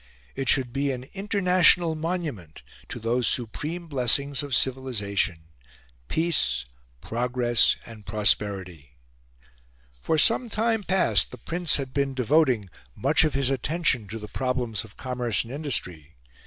It should be an international monument to those supreme blessings of civilisation peace, progress, and prosperity. For some time past the Prince had been devoting much of his attention to the problems of commerce and industry.